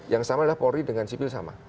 yang sama adalah polri dengan sipil sama